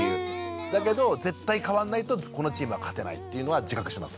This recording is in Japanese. だけど絶対変わんないとこのチームは勝てないっていうのは自覚してます。